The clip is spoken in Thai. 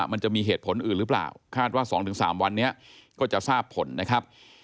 มันจะมีเหตุผลอื่นหรือเปล่าคาดว่า๒๓วันนี้ก็จะทราบผลนะครับ